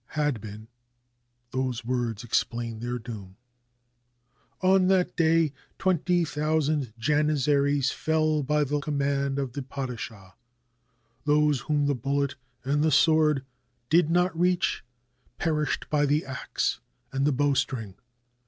Had been ! Those words explain their doom. On that day twenty thousand Janizaries fell by the command of the padishah. Those whom the bullet and the sword did not reach perished by the axe and the bowstring.